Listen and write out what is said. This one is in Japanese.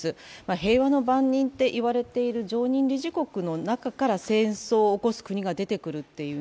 平和の番人といわれている常任理事国の中から戦争を起こす国が出てくるという。